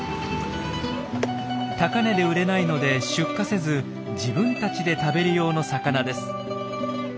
高値で売れないので出荷せず自分たちで食べる用の魚です。